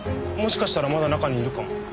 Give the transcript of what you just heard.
もしかしたらまだ中にいるかも。